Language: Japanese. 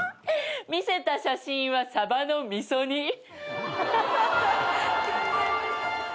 見せた写真はサバの味噌煮。